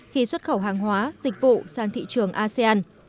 khi xuất khẩu hàng hóa dịch vụ sang thị trường asean